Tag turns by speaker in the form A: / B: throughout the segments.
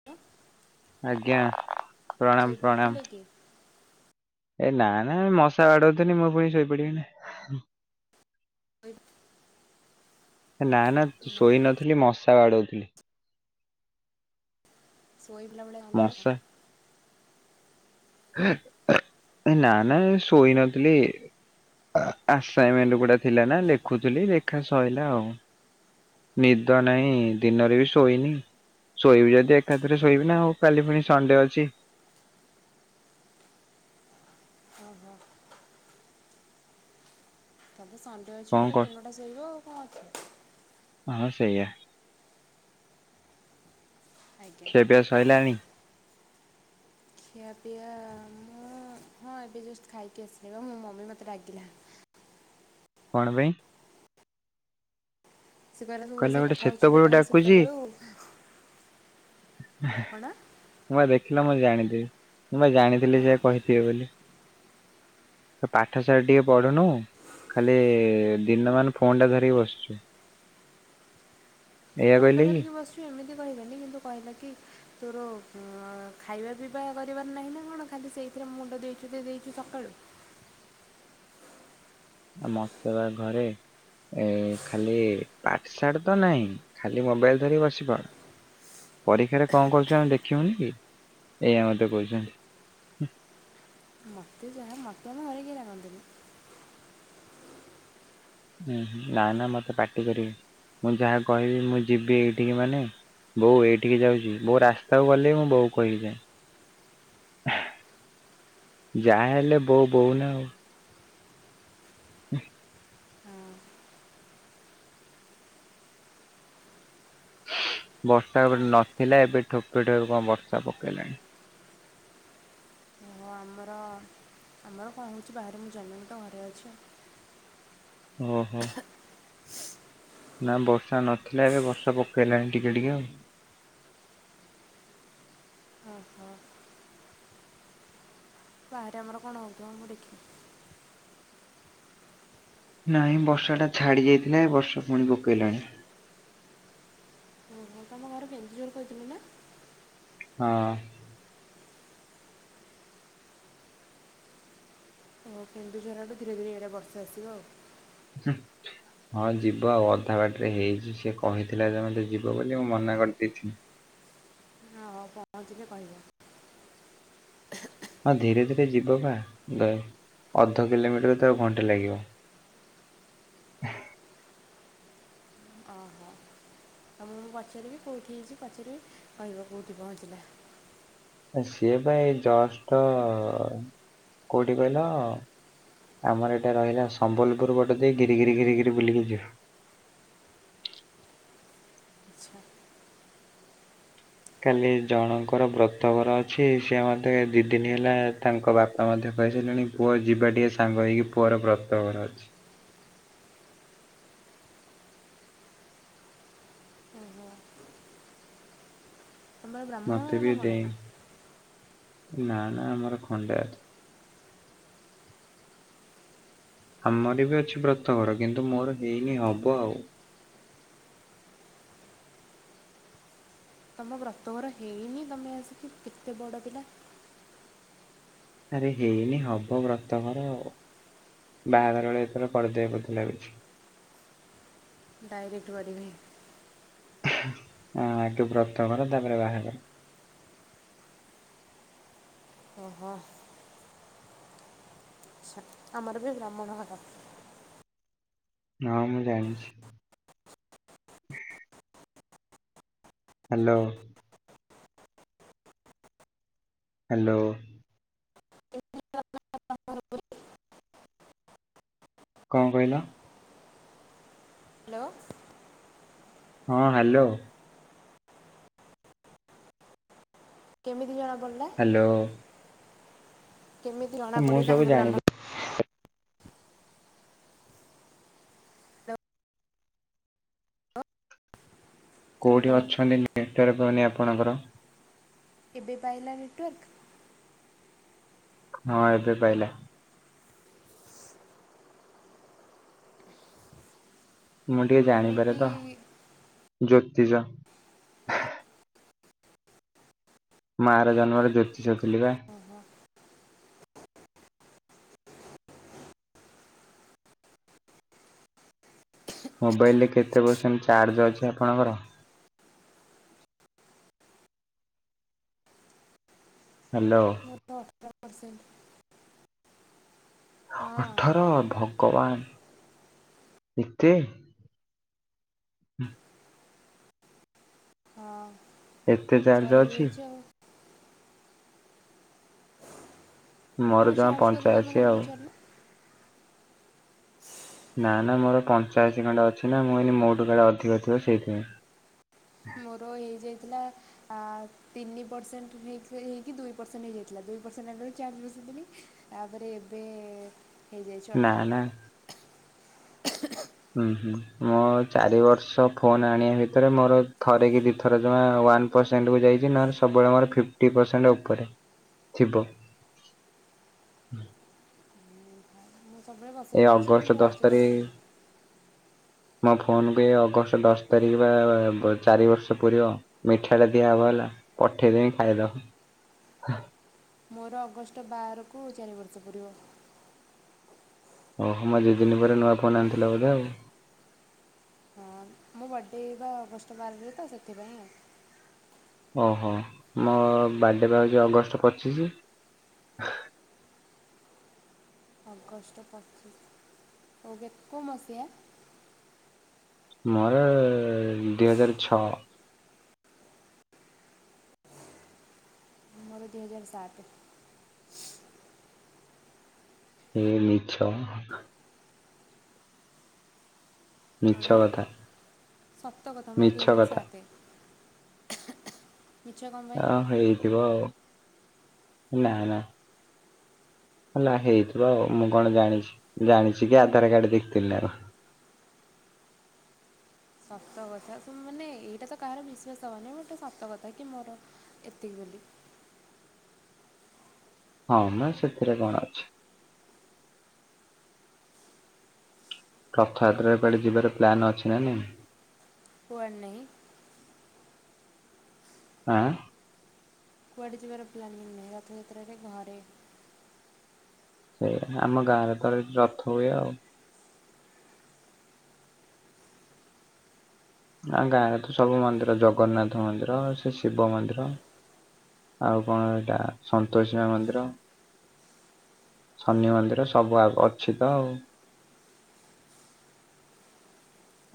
A: [unintelligible]
B: ଆଜ୍ଞା। ପ୍ରଣାମ ପ୍ରଣାମ
A: ଶୋଇପଡିଥିଲେ କି?
B: ଏ ନା ନା ମଶା ବାଡଉଥିନି ମୁଁ ପୁଣି ଶୋଇପଡିବି ନା।
A: [unintelligible]
B: ହେ ନା ନା ତୁ ଶୋଇ ନଥିଲି ମଶା ବାଡଉଥିଲି।
A: ଶୋଇଥିଲା ଭଳିଆ ଅନେଇଲା ତ
B: ମଶା ହେ ନା ନା ଶୋଇନଥିଲି। ଆ ଆସାଇମେଣ୍ଟ ଗୁଡା ଥିଲା ନା ଲେଖୁଥିଲି ଲେଖା ସଇଲା ଆଉ। ନିଦ ନାହିଁ ଦିନରେ ବି ଶୋଇନି। ଶୋଇବି ଯଦି ଏକାଥେରେ ଶୋଇବି ନା ଆଉ କାଲି ଫୁଣି ସଣ୍ଡେ ଅଛି।
A: ଓ ହୋ। କାଲି ସଣ୍ଡେ ଅଛି
B: କଣ
A: ପୁରା
B: କର
A: ଦିନଟା ଶୋଇବ ଆଉ କଣ କରି
B: ହଁ ସେଇଆ।
A: ଅଛି ଆଜ୍ଞା
B: ଖିଆପିଆ ସଇଲାଣି?
A: ଖିଆପିଆ ମୁଁ ହଁ ଏବେ ଜଷ୍ଟ ଖାଇକି ଆସିଲି ବା ମୋ ମମି ମତେ ରାଗିଲା।
B: କଣ ପାଇଁ?
A: ସିଏ କହିଲା ତୁ ବସିକି କଥା ହଉଚୁ ଯେ [unintelligible] ସେତେବେଳୁ।
B: ଏଁ ହେ।
A: କଣ?
B: ମୁଁ ବା ଦେଖିଲା ମୁଁ ଜାଣିଥିବି ମୁଁ ବା ଜାଣିଥିଲି
A: ହଁ
B: ସେ କହିଥିବେ ବୋଲି। ପାଠସାଟ୍ ଟିକେ ପଢୁନୁ ଖାଲି ଦିନମାନ ଫୋନ୍ ଟା ଧରିକି ବସଚୁ। ଏଇଆ
A: ଫୋନ୍ ଟା
B: କହିଲେ କି
A: ଧରିକି ବସିଚୁ ଏମିତି କହିଲାନି କିନ୍ତୁ କହିଲା କି ତୋର ଉଁ ଅଁ ଖାଇବା ପିଇବା କରିବାର ନାହିଁ ନା କଣ ଖାଲି ସେଇଥିରେ ମୁଣ୍ଡ ଦେଇଚୁ ଯେ ଦେଇଚୁ ସକାଳୁ।
B: ଆ ମତେ ବା ଘରେ ଏ ଖାଲି ପାଟ୍ ସାଟ୍ ତ ନାଇଁ ଖାଲି ମୋବାଇଲ ଧରି ବସିପଡ। ପରୀକ୍ଷାରେ କଣ କରୁଚୁ ଆମେ ଦେଖିବୁନି କି ଏଇଆ ମତେ କହୁଚନ୍ତି।
A: ମତେ ଯାହା ମତେ ଆମ ଘରେ କେହି ରାଗନ୍ତିନି।
B: ଉଁ ହୁଁ ନା ନା ମତେ ପାଟି କରିବେ ମୁଁ ଯାହା କହିବି ମୁଁ ଯିବି ଏଇଠିକି ମାନେ ବୋଉ ଏଇଠିକି ଯାଉଚି ବୋଉ ରାସ୍ତାକୁ ଗଲେ ମୁଁ ବୋଉକୁ କହିକି ଯାଏ। ଯାହା ହେଲେ ବୋଉ ବୋଉ ନା ଆଉ। ଉଁ
A: ହଁ
B: ବର୍ଷା
A: ଆଁ,
B: ଏପଟେ ନଥିଲା ଏବେ ଠୋପେ ଠୋପେ କଣ ବର୍ଷା ପକେଇଲାଣି।
A: ହଁ ଆମର ଆମର କଣ ହଉଚି ବାହାରେ ମୁଁ ଜାନିନି ତ ଘରେ ଅଛି ଆଉ।
B: ଓ ହୋ। ନା ବର୍ଷା ନଥିଲା ଏବେ ବର୍ଷା ପକେଇଲାଣି ଟିକେ ଟିକେ ଆଉ।
A: ଓ ହୋ। ବାହାରେ ଆମର କଣ ହୋଉଥିବ ମୁଁ ଦେଖି
B: ନାହିଁ ବର୍ଷା ଟା ଛାଡି ଯାଇଥିଲା ଏ ବର୍ଷା ପୁଣି ପକେଇଲାଣି।
A: ହଁ ମୁଁ ତମ ଘର କେନ୍ଦୁଝର କହିଥିଲ ନା?
B: ହଁ।
A: ଆଉ କେନ୍ଦୁଝର ଆଡୁ ଧୀରେ ଧୀରେ ଇଆଡେ ବର୍ଷା ଆସିବ ଆଉ।
B: ହୁଁ। ହଁ ଯିବ ଆଉ ଅଧା ବାଟରେ ହେଇଚି ସେ କହିଥିଲା ଯେ ମୋତେ ଯିବ ବୋଲି ମୁଁ ମନା କରିଦେଇଥିଲି।
A: ହଁ ପହଞ୍ଚିଲେ କହିବ।
B: ହଁ ଧୀରେ ଧୀରେ ଯିବ ପା ଦେ ଅଧ କିଲୋମିଟର ତାକୁ ଘଣ୍ଟେ ଲାଗିବ।
A: ଅ ହ। ମୁଁ ପଚାରିବି କେଉଁଠି ହେଇଚି ପଚାରିବି କହିବ କୋଉଠି ପହଞ୍ଚିଲା।
B: ସିଏ ତ ଏଇ ଜଷ୍ଟ କୋଉଠି କହିଲ ଆମର ଏଇଟା ରହିଲା ସମ୍ବଲପୁର ଗୋଟେ ଦେଇ ଘିରି ଘିରି ଘିରିି ଘିରି ବୁଲିକି ଯିବ।
A: ଆଚ୍ଛା
B: କାଲି ଜଣଙ୍କର ବ୍ରତ ଘର ଅଛି। ସିଏ ମୋତେ ଦିଇ ଦିନ ହେଲା ତାଙ୍କ ବାପା ମଧ୍ୟ କହିସାଇଲେଣି ପୁଅ ଯିବା ଟିକେ ସାଙ୍ଗ ହେଇକି ପୁଅର ବ୍ରତ ଘର ଅଛି।
A: ଓ ହୋ।
B: ମତେ
A: ନା
B: ବି
A: କ'ଣ
B: ଡେଇଁ ନାଁ ନାଁ ଆମର ଖଣ୍ଡାୟତ। ଆମର ବି ଅଛି ବ୍ରତ ଘର କିନ୍ତୁ ମୋର ହେଇନି ହବ ଆଉ।
A: ତମ ବ୍ରତଘର ହେଇନି ତମେ ଆସିକି କେତେ ବଡ ପିଲା
B: ଆରେ ହେଇନି ହବ ବ୍ରତଘର ଆଉ। ବାହାଘର ବେଳେ ଏଥର କରିଦେବେ ବୋଧେ ଲାଗୁଚି।
A: ଡାଇରେକ୍ଟ କରିମିଃ।
B: ହଁ ଆଗେ ବ୍ରତ ଘର ତାପରେ ବାହାଘର।
A: ଓହୋ। ଆମର ବି ବ୍ରାହ୍ମଣ ଘର।
B: ହଁ ମୁଁ ଜାଣିଚି। ହଁ ହାଲୋ। ହାଲୋ। କଣ କହିଲ?
A: ହାଲୋ।
B: ହଁ ହ୍ୟାଲୋ।
A: କେମିତି ଜଣା ପଡିଲା?
B: ହାଲୋ।
A: କେମିତି ଜଣା
B: ମୁଁ
A: ପଡିଲା
B: ସବୁ
A: ଆମ ବ୍ରାହ୍ମ
B: ଜାଣିପାରୁ କୋଉଠି
A: ହ୍ୟାଲୋ
B: ଅଛନ୍ତି ନେଟୱାର୍କ ପାଉନି ଆପଣଙ୍କର?
A: ଏବେ ପାଇଲା ନେଟୱାର୍କ?
B: ହଁ ଏବେ ପାଇଲା। ମୁଁ ଟିକେ ଜାଣିପାରେ
A: କେମିତି
B: ତ ଜ୍ୟୋତିଷ। ମୁଁ ଆର ଜନ୍ମରେ ଜ୍ୟୋତିଷ ଥିଲି ବା।
A: ଓହୋ
B: ମୋବାଇଲରେ କେତେ ପର୍ସେଣ୍ଟ ଚାର୍ଜ ଅଛି ଆପଣଙ୍କର? ହାଲୋ।
A: [unintelligible] ପର୍ସେଣ୍ଟ। ହଁ
B: ଅଠର ଭଗବାନ ଏତେ?
A: ହଁ।
B: ଏତେ ଚାର୍ଜ ଅଛି?
A: ସରିଯାଇଛି ଆଉ
B: ମୋର
A: ମୋ
B: ଜମା
A: ଚାର୍ଜ କଥା ତମେ
B: ପଞ୍ଚାଅଶୀ
A: କଣ
B: ଆଉ।
A: ପଚାରିଲ?
B: ନାଁ ନାଁ ମୋର ପଞ୍ଚାଅଶୀ ଖଣ୍ଡେ ଅଛି ନା ମୁଁ ଏନି ମୋଠୁ କାଳେ ଅଧିକ ଥିବ ସେଇଥିପାଇଁ।
A: ମୋର ହେଇଯାଇଥିଲା ଆ ତିନି ପରସେଣ୍ଟ ହେଇକି ଦୁଇ ପରସେଣ୍ଟ ହେଇଯାଇଥିଲା, ଦୁଇ ପରସେଣ୍ଟ ହେଲା ବେଳକୁ ଚାର୍ଜ ବସେଇଦେଇଥିଲି। ତାପରେ ଏବେ ହେଇଯାଇଛି
B: ନା
A: ଅଠର।
B: ନା ହୁଁ-ହୁଁ ମଁ ଚାରି ବର୍ଷ ଫୋନ ଆଣିବା ଭିତରେ ମୋର ଥରେ କି ଦୁଇଥର ଜମା ୱାନ ପେସେଣ୍ଟ କୁ ଯାଇଛି ନହଲେ ସବୁବେଳେ ମୋର ଫିପ୍ଟୀ ପରସେଣ୍ଟ ଉପରେ ଥିବ।
A: ମୁଁ ସବୁବେଳେ ବସେଇ
B: ଏଇ
A: ଦେଇଛି
B: ଅଗଷ୍ଟ
A: କିନ୍ତୁ
B: ଦଶ
A: ଆଜି ବସେଇ
B: ତାରିଖ ମୋ ଫୋନକୁ ଅଗଷ୍ଟ ଦଶ ତାରିଖ ବା ଚାରି ବର୍ଷ ପୁରିବ। ମିଠା ଟା ଦିଆ ହବ ହେଲା ପଠେଇଦେମି ଖାଇଦବ।
A: ମୋର ଅଗଷ୍ଟ ବାର କୁ ଚାରି ବର୍ଷ ପୁରିବ।
B: ଓହ୍ ମ ଦୁଇ ଦିନ ପରେ ନୂଆ ଫୋନ ଆଣିଥିଲା ବୋଧେ ଆଉ।
A: ମୁଁ ବର୍ଥଡ଼େ ବା ଅଗଷ୍ଟ ବାରରେ ତ ସେଥିପାଇଁ
B: ଓହୋ ମୋ ବାର୍ଥଡେ ବା ହଉଛି ଅଗଷ୍ଟ ପଚିଶ।
A: ଅଗଷ୍ଟ ପଚିଶ ହଉ କେତେ ମସିହା?
B: ମୋର ଦୁଇ ହଜାର ଛଅ।
A: ମୋର ଦୁଇ ହଜାର ସାତ।
B: ଏ ମିଛ। ମିଛ
A: କଣ
B: କଥା
A: ସତ କଥା ବା
B: ମିଛ
A: ଦୁଇ ହଜାର
B: କଥା
A: ସାତ। ମିଛ କ'ଣ ପାଇଁ
B: ହଁ ହେଇଥିବ ଆଉ ନା-ନା। ହେଲା ହେଇଥିବ ଆଉ ମୁଁ କଣ ଜାଣିଛି ଜାଣିଛି କି ଆଧାର କାର୍ଡ ଦେଖିଥିଲି ନା କଣ।
A: ସତ କଥା ମାନେ ଏଇଟା ତ କାହାର ବିଶ୍ଵାସ ହବନି ଗୋଟେ ସତ କଥା କି ମୋର ଏତିକି ବୋଲି।
B: ହଁ ମା ସେଥିରେ କଣ ଅଛି। ରଥଯାତ୍ରା ରେ କୁଆଡେ ଯିବାର ପ୍ଲାନ୍ ଅଛି ନା ନାଇଁ?
A: କୁଆଡେ ନାଇଁ।
B: ଆଁ।
A: କୁଆଡ଼େ ଯିବାର ପ୍ଲାନିଂ ନହିଁ ରଥଯାତ୍ରାରେ ଘରେ।
B: ସେଇ ଆମ ଗାଁ ରେ ତ ରଥ ହୁଏ ଆଉ। ଆ ଗାଁରେ ତ ସବୁ ମନ୍ଦିର ଜଗନ୍ନାଥ ମନ୍ଦିର, ସେ ଶିବ ମନ୍ଦିର ଆଉ କଣ ଏଇଟା ସନ୍ତୋସି ମା ମନ୍ଦିର ଶନି ମନ୍ଦିର ସବୁ ଆ ଅଛି ତ ଆଉ।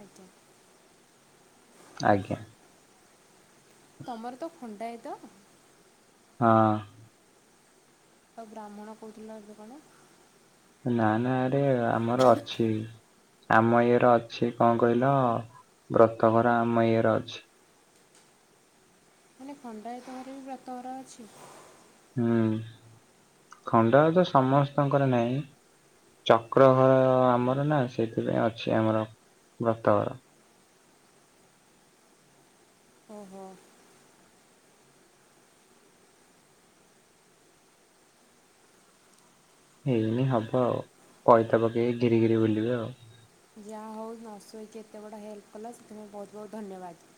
A: ଅଜ୍ଞା।
B: ଆଜ୍ଞା।
A: ତମର ତ ଖଣ୍ଡା ଏ ତ?
B: ହଁ।
A: ତ ବ୍ରାହ୍ମଣ କହୁଥିଲ ଅ କଣ?
B: ନା ନାରେ ଆମର ଅଛି। ଆମ ଇଏ ର ଅଛି କଣ କହିଲ ବ୍ରତଘର ଆମ ଇଏର ଅଛି।
A: ମାନେ ଖଣ୍ଡଏତମରେ ବି ବ୍ରତଘରା ଅଛି।
B: ହୁଁ ଖଣ୍ଡ ତ ସମସ୍ତଙ୍କର ନାହିଁ। ଚକ୍ର ଘର ଆମର ନା ସେଇଥିପାଇଁ ଅଛି ଆମର ବ୍ରତଘର।
A: ଓହୋ!
B: ହେଇନି ହବ ଆଉ ପଇତା ପକେଇ ଗିରି ଗିରି ବୁଲିବେ ଆଉ।
A: ଯାହା ହଉ ନସୋଇକି ଏତେ ବଡ଼ ହେଲ୍ପ କଲଲା ସେଥିପାଇଁ ବହୁତ ବହୁତ ଧନ୍ୟବାଦ।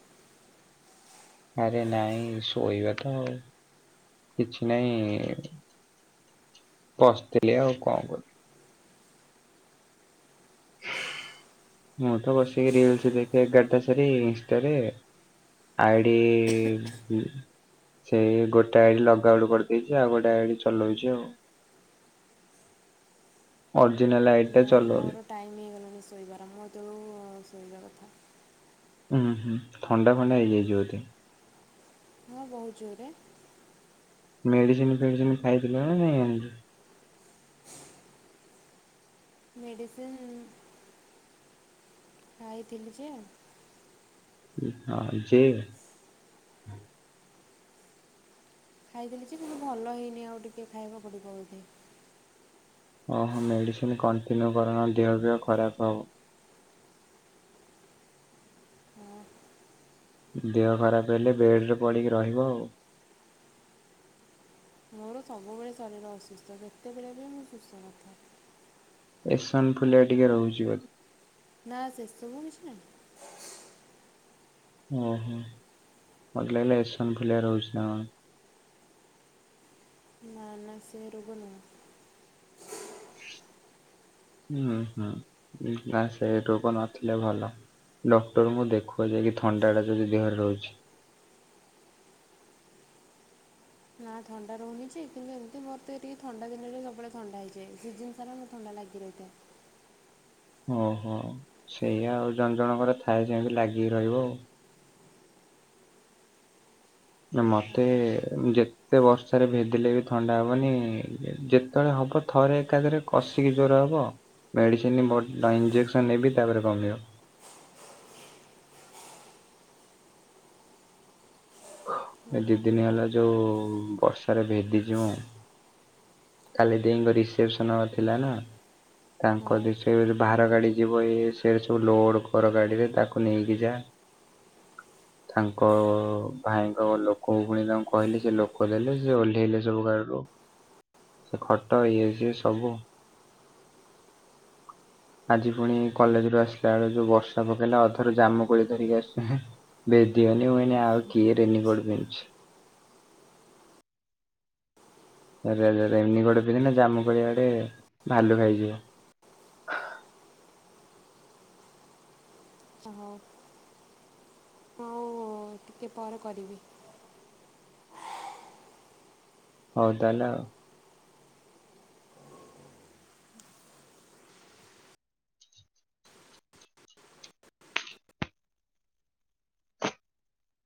B: ଆରେ ନାଇଁ ଶୋଇବା ତ ଆଉ କିଛି ନାଇଁ। ବସିଥିଲି ଆଉ କଣ କରୁଥିଲି। ମୁଁ ତ ବସିକି ରିଲସ ଦେଖେ ଏଗାରଟା ସାର ଇନଷ୍ଟାରେ। ଆଇଡି ସେଇ ଗୋଟେ ଆଡି ଲଗାଗୁଡ କରିଦେଇଛି ଆଉ ଗୋଟେ ଆଡି ଚଲଉଛି ଆଉ। ଓରିଜିନଲ ଆଇଟ
A: ନାଇଁ ମୋର ଟାଇମ୍ ହେଇଗଲାଣି ଶୋଇବାର ମୁଁ ଏତେବେୁ ଶୋଇବା କଥା।
B: ହୁଁ ହୁଁ ଥଣ୍ଡା ଫଣ୍ଡା ହେଇଯାଇଛିି ବଧେ?
A: ହଁ ବହୁତ ଜୋରରେ
B: ମେଡିସିନ ଫେଡିସିନ ଖାଇଥିଲ ନା ନାଇଁ ଆଣିକି?
A: ମେଡିସିନ୍? ଖାଇଥିଲି ଯେ
B: ହଁ ଯେ
A: ଖାଇଥିଲି ଯେ କିନ୍ତୁ ଭଲ ହେଇନି ଆଉ ଟିକିଏ ଖାଇବା ପଡ଼ିବ ବୋଧେ।
B: ଓ ହୋ ମେଡ଼ିସିନ କଣ୍ଟିନ୍ୟୁ କରୁନ ଦେହ ଫିହ ଖରାପ ହେବ।
A: ହଁ
B: ଦେହ ଖରାପ ହେଲେ ବେଡରେ ପଡିକି ରହିବ ଆଉ।
A: ମୋର ସବୁବେଳେ ଶରୀର ଅସୁସ୍ଥ କେତେବେଳେ ବି ମୁଁ ସୁସ୍ଥ ନଥାଏ।
B: ଏସନ ଫୁଲିଆ ଟିକେ ରହୁଛି ବ
A: ନା ସେ ସବୁ କିଛି ନାହିଁ।
B: ଓହୋ ମୋତେ ଲାଗିଲା ଏସନ୍ ଫୁଲିଆ ରହୁଛି ନା କଣ।
A: ନାଁ ନାଁ ସେ ରୋଗ ନୁଁହ।
B: ହୁଁ ହୁଁ ନା ସେ ରୋଗ ନଥିଲେ ଭଲ। ଡକ୍ଟର ମୁଁ ଦେଖୁଅ ଯାଇକି ଥଣ୍ଡା ଟା ଯଦି ଦେହରେ ରହୁଛି।
A: ନା ଥଣ୍ଡା ରହୁନିଯେ କିନ୍ତୁ ଏମିତି ମୋର ତ ଟିକେ ଥଣ୍ଡା ଦିନରେ ସବୁବେଳେ ଥଣ୍ଡା ହେଇଯାଏ ସିଜନ ସାରା ମତେ ଥଣ୍ଡା ଲାଗି ରହିଥାଏ।
B: ଓହୋ ସେଇଆ ଆଉ ଜଣ ଜଣଙ୍କର ଥାଏ ସେମିତି ଲାଗିକି ରହିବ ଆଉ। ମତେ
A: ଆଜ୍ଞା
B: ଯେ ତେ ବର୍ଷାରେ ଭେଦିଲେ ବି ଥଣ୍ଡା ହବନି ଯେତେବେଳେ ହବ ଥରେ ଏକାଥରେ କଷିକି ଜୋରେ ହବ ମେଡ଼ିସିନ ବଟ ଇଞ୍ଜେକ୍ସନ୍ ନେବି ତାପରେ କମିବ।
A: ହଁ
B: ଏ ଦି
A: ହଁ
B: ଦିନି ହେଲା ଯୋଉ ବର୍ଷାରେ ଭେଦିଚି ମୁଁ କାଲି ଦେଇଙ୍କ ରିସେପସନ ଥିଲା ନା। ତାଙ୍କ
A: ହଁ
B: [unintelligible] ଭାର ଗାଡ଼ି ଯିବ ଇଏ ସେ ସବୁ ଲୋଡ଼ କର ଗାଡିରେ ତାକୁ ନେଇକି ଯା। ତାଙ୍କ ଭାଇଙ୍କ ଲୋକକୁ ପୁଣି ତାଙ୍କୁ କହିଲି ସେ ଲୋକ ଦେଲେ ସେ ଓହ୍ଲେଇଲେ ସବୁ ଗାଡିରୁ। ସେ ଖଟ ଇଏ ସିଏ ସବୁ। ଆଜି ପୁଣି କଲେଜରୁ ଆସିଲା ବେଳେ ଯୋଉ ବର୍ଷା ପକେଇଲା ଅଧାରୁ ଜାମୁ କୋଳି ଧରିକି ଆସିଚି ମୁଁ ଭେଦିଗନି ମୁଁ କହିନି ଆଉ କିଏ ରେନିକୋଟ ପିନ୍ଧୁଚି। ରେ ରେନିକୋଟ ପିନ୍ଧିନେ ଜାମୁକୋଳି ଇଆଡେ ଭାଲୁ ଖାଇଯିବ।
A: ଓହୋ। ହଉ ଟିକିଏ ପରେ କରିବି।
B: ହଉ ତାହାଲେ ଆଉ।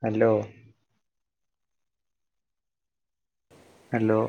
B: ହ୍ୟାଲୋ। ହ୍ୟାଲୋ।